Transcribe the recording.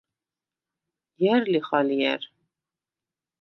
ჲა̈რ ლიხ ალჲა̈რ?